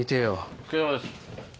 お疲れさまです。